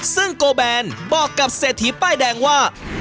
ซึ่งโกแบนบอกกับเศรษฐีป้ายแดงว่า